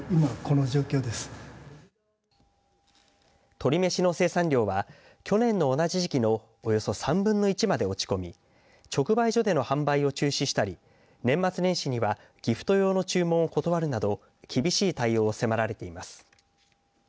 鶏めしの生産量は去年の同じ時期のおよそ３分の１まで落ち込み直売所での販売を中止したり年末年始にはギフト用の注文を断るなど厳しい対応を迫られています。